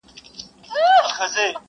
خلک خپل ژوند ته ځي تل،